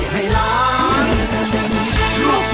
หรือหยุด